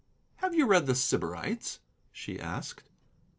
"Have you read The Sybarites?" she asked.